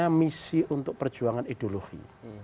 punya misi untuk perjuangan ideologi